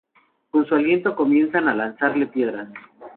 Con su aliento comienzan a lanzarle piedras.